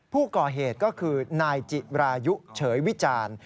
ผู้ก่อเหตุก็คือนายจิรายุเฉยวิจารณ์